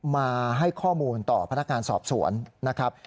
มาให้ข้อมูลต่อพนักงานสอบสวนนะครับ